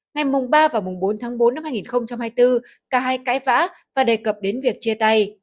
ngày mùng ba và mùng bốn tháng bốn năm hai nghìn hai mươi bốn cả hai cãi vã và đề cập đến việc chia tay